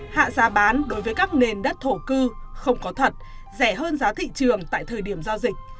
hạ giá bán đối với các nền đất thổ cư không có thật rẻ hơn giá thị trường tại thời điểm giao dịch